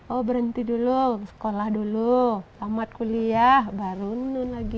oh berhenti dulu sekolah dulu amat kuliah baru nunun lagi